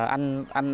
anh hiền từ gốc